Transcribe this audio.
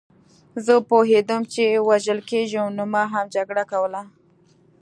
زه پوهېدم چې وژل کېږم نو ما هم جګړه کوله